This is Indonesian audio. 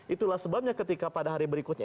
itulah sebabnya ketika pada hari berikutnya